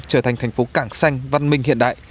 trở thành thành phố cảng xanh văn minh hiện đại